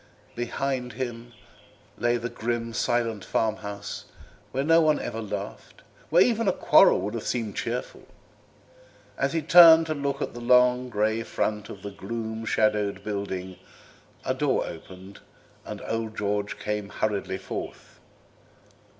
Behind him lay the grim, silent farm house, where no one ever laughed, where even a quarrel would have seemed cheerful. As he turned to look at the long grey front of the gloom shadowed building, a door opened and old George came hurriedly forth.